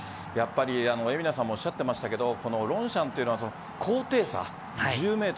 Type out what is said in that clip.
蛯名さんもおっしゃっていたけどロンシャンというのは高低差１０ｍ。